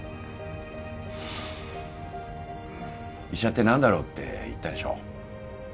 医者って何だろうって言ったでしょ。